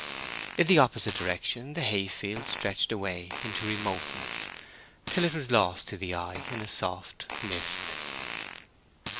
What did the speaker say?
In the opposite direction the hay field stretched away into remoteness till it was lost to the eye in a soft mist.